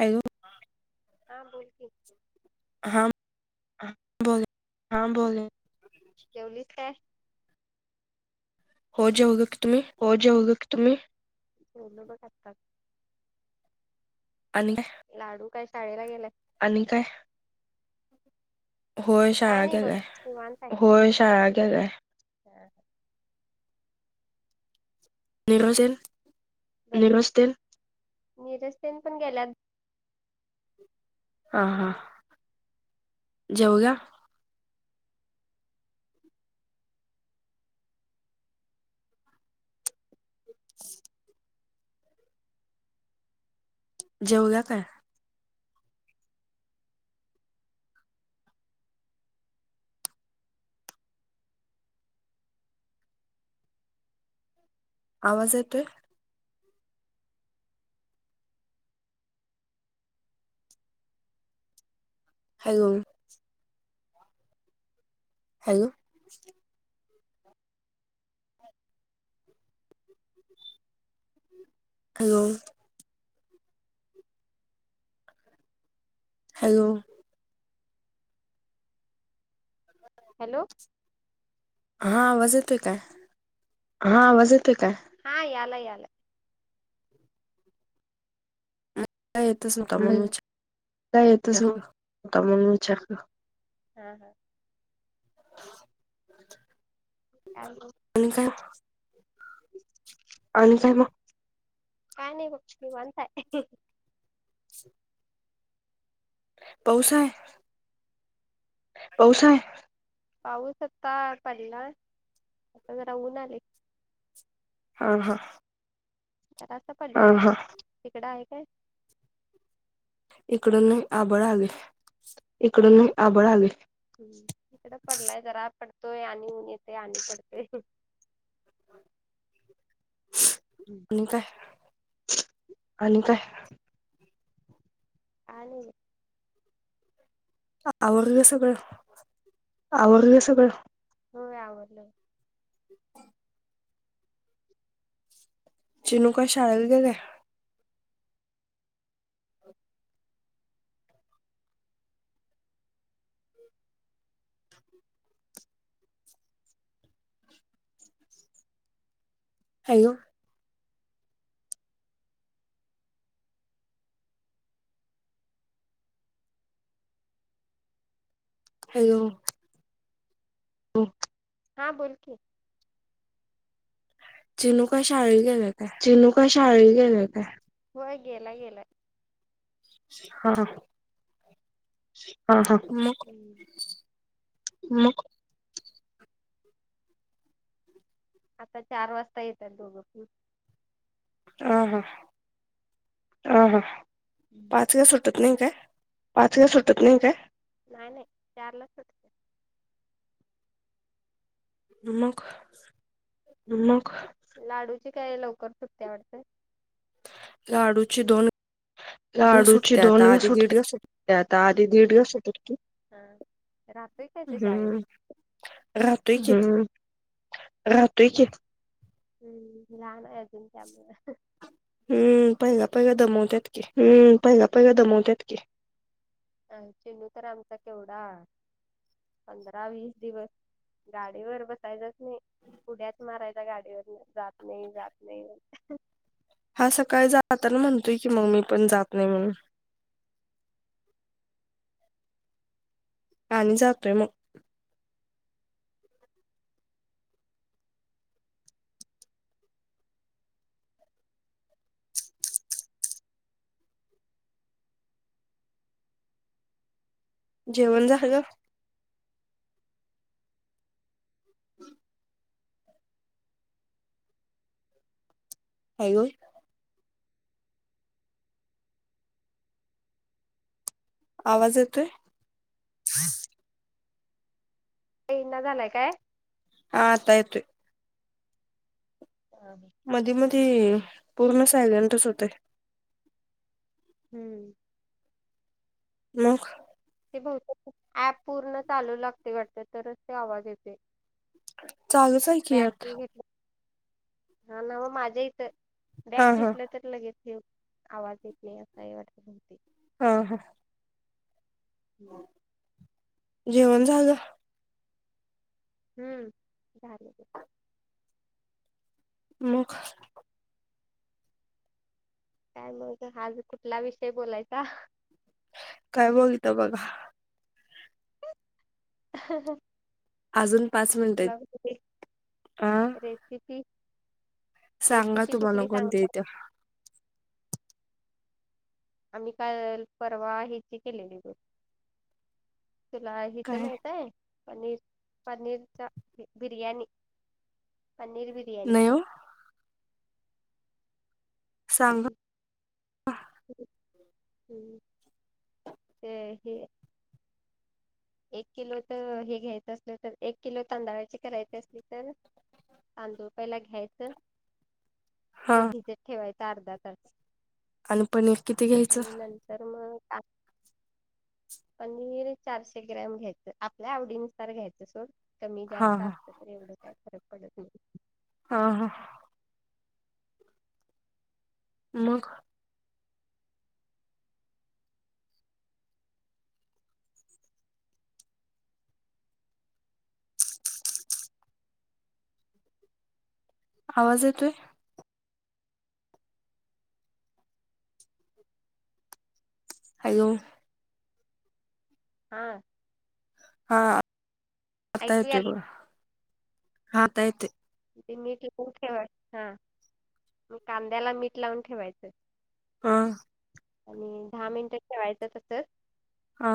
Hello हा बोल की, हा बोला हा बोल. जेवलीस काय? हो जेवलोकी तुम्ही? हो जेवलो की तुम्ही. जेवलो की आत्ताच आणि काय लाडू काय शाळेला गेलाय. आणि काय होय काय शाळा नाही बघ गेलाय निवांत हाय. होय शाळा गेलाय. नीरज तेन निरजतेन निरजतेन पण गेल्यात. हा हा जेवला. [unintelligible] जेवला काय? आवाज येतोय? Hello hello hello hello hello हा आवाज येतोय काय? हा वाजत काय? हा यालायं यालाय. काय येतच नव्हता म म्हणून विचार काय येतच नव्हता म्हणून विचारलं. [unintelligible] आणि काय आणि काय मग. काय नाही बघ निवांत हाय. पाऊस हाय. पाऊस हाय पाऊस आता पडला आता जरा ऊन आलय. हा हा जरासं पडला. हा हा. तिकडं आहे काय? इकड नाही आभाळ आलय. इकडं नाही आभाळ आलय इकड पडलाय जरा. पडतंय आणि ऊन येतंय आणि पडतय. आणि काय आणि काय काय नाही आवरलं सगळं आवरलं सगळं होय आवरल बग. चिनू काय शाळेला गेल्या. हॅलो हॅलो हां बोल की चीनू काय शाळेला गेल्या काय. चीनू कायं शाळेला गेलाय काय होय गेलाय गेलाय. हा ह हा मग अम मग आता चार वाजता येतात दोघं पण ह ह हा हा पाचला सुटत नाही काय पाच ला सुटत नाही काय नाही नाही चारला सुटते मग मग लाडूची काय लवकर सुटत्या वाटतं लाडू ची दोन- दिवस लाडूची सुटते आता दोनला आधी दीड दिवस सुट सुटते आता आधी दीडला सुटत होती राहतोय काय ते शाळेत हम्म राहतोय की हम्म् राहतो कि हम् लहान आहे अजून त्यामुळं हम्म पहिला पहिला दमवत्यात की हम्म पहिला पहिला दमवत्यात की आणि चिनु तर आमचा केवढा पंधरा वीस दिवस गाडीवर बसायचाच नाही उड्याच मा [inaudible] गाडीवरनं जात नाई जात नाई हा सकाळी जाताना म्हणतोय की मग मी पण जात नाई म्हणून आणि जातोय मग जेवण झालं [inaudible] हाय व्हय आवाज येतोय [unintelligible] येईना झालाय काय हा आता येतोय आ मी मधी मधी पूर्ण सायलेंटच होतय हम्म मग ते बहुतेक ऍप पूर्ण चालू लागतय वाटत तरच ते आवाज येतय चालूच आहे की बॅक यात ही घेतलं हा ना मग माझ्या इथं हा बॅग हा घेतलं तर लगेच घेऊ आवाज येत नाई असय वाटत म्हणते आ हा हम्म जेवण झालं हम्म झालं की मग काय मग आज कुठला विषय बोलायचा काय बोलता बघा ह-ह-ह अजून पाच मिनट आहेत हा [inaudible] की सांगा तुम्हाला कोणती येत्या आम्ही काल परवा हेची केलेली बघ तुला हितं काय माहितय. पनीर पनीरचा बिर्याणी पनीर बि''--'' नाही ओ. सांगा. ''हं ''ते हे, एक किलो त हे घ्यायचं असलं तर एक किलो तांदळाची करायची असली तर. तांदूळ पहिला घ्यायचं. हा ते भिजत ठेवायचं अर्धा तास. आणि पनीर किती घ्यायचं. नंतर मग ता. पनीर चारशे ग्रॅम घ्यायचं आपल्या आवडीनुसार घ्यायचं सोड कमी हा जास्त आस हा ''--'' एवढं काय फरक पडत नाही. हा हा, मग. आवाज येतोय. हॅलो, हा, हा आता येतोय बघा हा आता येतोय. ते मीठ लावून ठेवाय म कांद्याला मीठ लावून ठेवायचं. ''हं'' आणि दहा मिनिटं ठेवायचं तसच. हा,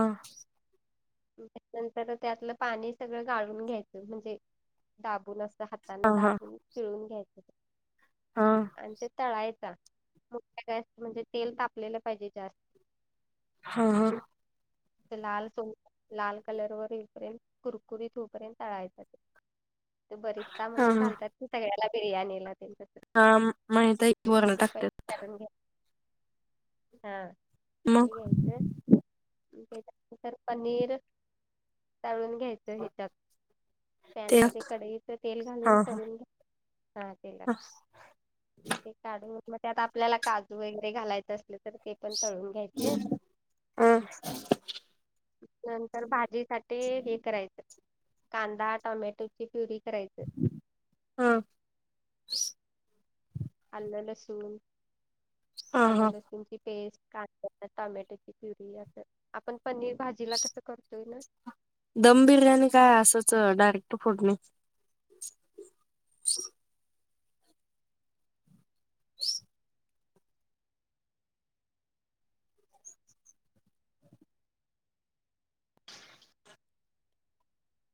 त्यानंतर त्यातलं पाणी सगळं गाळून घ्यायचं म्हणजे दाबून अस. हाताने हा हा दाबून पिळून घ्यायच हा आणि ते तळायचा. मोठा गॅस म्हणजे तेल तापलेलं पाहिजे जास्त. हा हा, लाल सौ लाल कलर वर येपर्यंत कुरकुरीत होऊपर्यंत टाळायचा ते. त्यो बरिस्ता हा म्हणून घालतात की सगळ्याला बिर्याणीला. हा माहित आहे की वर्ण टाकतात. ह्यातून घे हा. मग. नंतर पनीर तळून घ्यायचं हेच्यात. पॅन ते हा मध्ये कडईच तेल घालून हा हा तळून घ्या हा तेलात. ते काढून मग त्यात आपल्याला काजू वगैरे घालायचं असल तर ते पण तळून घ्यायचे. हा, नंतर भाजी साठी हे करायचं कांदा टोमॅटोची प्युरी करायची. हा, आलं लसूून हा आलं हा लसू. ची पेस्ट काढात टमॅटोची प्युरी अस. आपण पनीर भाजीला कसं करतोय ना. दम बिर्याणी काय असंच डायरेक्ट फोडणी. च छ [inaudible] ह [inaudible]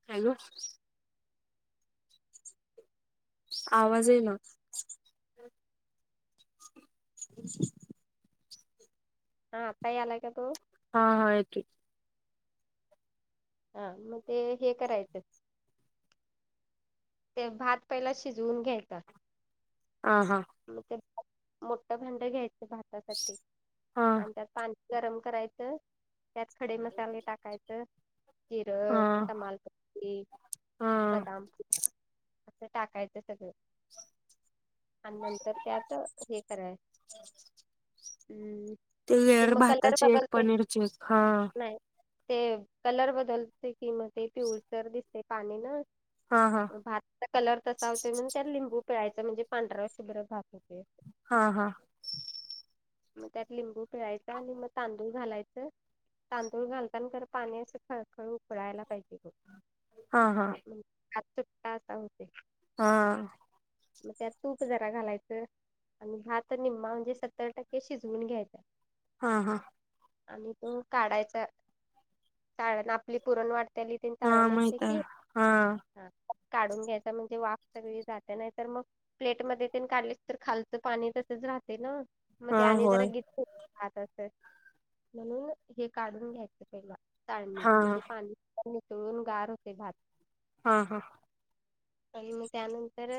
हॅले, आवाज येईना. [inaudible] हा अता यायला का तू? हा हा येतोय. हा मग ते हे करायचं? ते भात पहिला शिजवून घ्यायेतात. ह हा. म्ह ते मोठं भांड घ्यायचं भातासाठी हा आणि त्यात पाणी गरम करायचं त्यात खडे मसाले टाकायचं. जिर, हा तमालपत्री, हा बदाम, असं टाकायचं सगळं. आणि नंतर त्यात हे कराय हम्! ती लेयरभाताची एक पनीरची हा. ते कलर बदलते कि म ते पिऊळसर दिसते पाणी न. हा हा. भातचा कलर तसा होतोय म्हण त्यात लिंबू पिळायच म्हणजे पांढऱ्यावर शुभरत भात होते. हा हा. मग त्यात लिंबू पिळायचा आणि मग तांदूळ घालायचं. तांदूळ घालताना तर पाणी असं खळखळ उकडायला पाहिजे‌. हा हा. आ चुकता असा होते. हा. मग त्यात तूप जरा घालायचं आणि भात निम्मा म्हणजे सत्तर टक्के ते शिजवून घ्यायच. हा हा. आणि तो काढायचा काढ आपली पुरण वाट त्या [unintelligible] हा चाळण असते माहित आहे की? हा हा काढून घ्यायचा म्हणजे वाफ सगळी जाते नाही तर मग, प्लेट मध्ये ते काढले तर खालचं पाणी तसच राहते ना. मग हा ते आणि होय जरा गिच होतंय भात अस म्हणून हे काढून घ्यायचं पहिला. चाळणीत हा म्हणजे पाणी निसळून गार होते भात. हा हा. आणि मग त्यानंतर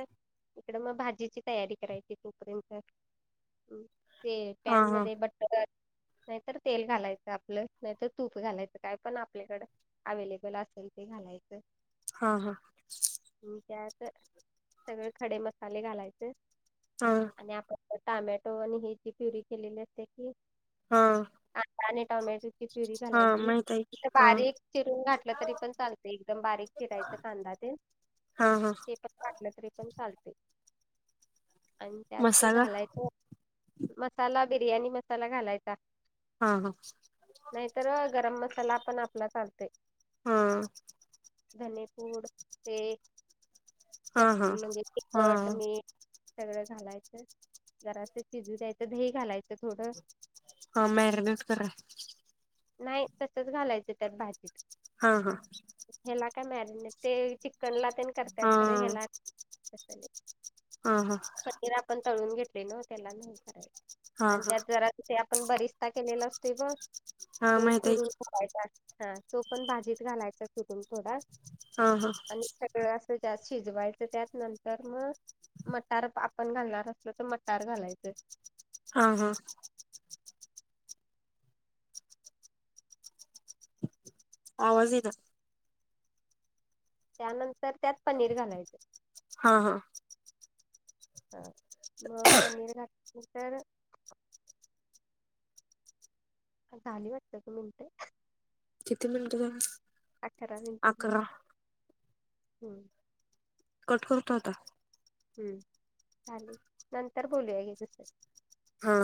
इकड मग भाजीची तयारी करायची तोपर्यंत. ते हा पॅन मध्ये बट [inaudible] नाहीतर तेल घालायचं आपलं नाहीतर तूप घालायचं काय पण आपल्याकडं अवेलेबल असेल ते घालायचं. हा हा. त्यात सगळे खडे मसाले घालायचे‌ हा. आणि आपण टॉमॅटो आणि ही जी प्युरी केलेली असते की. हा. आ आणि टॉमॅटोची प्युरी हा घालायची. माहित आहे की. हा बारीक चिरून घातलं तरी पण चालत एकदम बारीक चिरायचं कांदा तेन हा हा‌. णलं तरी पण चालते आणि त्यात ते मसाला घालायच. मसाला, बिर्याणी मसाला घालायचा. हा. हा. नाहीतर गरम मसाला पण आपला चालतोय. हां. धने पूड ते- हा चट हा म्हणजे हा तिखट, मीठ. सगळं घालायचं. जरासं शिजू द्यायचं. दही घालायचं थोडं. हां. मॅरीनेट करा. नाही तसंच घालायचं त्यात भाजीत. हा. हा. ह्याला काय मॅरीने, ते चिकनला- तेन करतात हा खर. याला तसं नाही. हा हा ण तळून घेतलेल न त्याला [unintelligible] हा आणि हा त्यात जरा - ते आपण बरिस्ता केलेला असतोय बघ. हा तो माहित आहे चुरून. की. [unintelligible] हां. तो पण भाजीत घालायचा चुरून थोडा. हा हा आणि सगळं असं [unintelligible] शिजवायचं त्यात नंतर मग- मटार आपण घालणार असलो तर मटार घालायचे. हां. हां. आवाज [unintelligible] का? त्यानंतर त्यात पनीर घालायचं. हां हां. हां. मग पनीर घातल्या नंतर - झाली वाटत [unintelligible] मिनटं. किती मिनटं झाली? अकरा. हम्म. कट करतो आता. हम्म. चालेल नंतर बोलूया [unintelligible] हां.